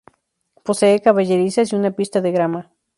Posee caballerizas y una pista de Grama.